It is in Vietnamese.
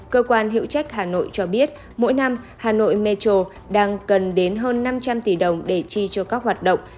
cơ quan hiệu trách hà nội cho biết mỗi năm hà nội metro đang cần đến hơn năm trăm linh tỷ đồng để chi cho các hoạt động